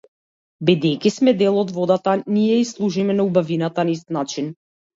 Бидејќи сме дел од водата, ние ѝ служиме на убавината на ист начин.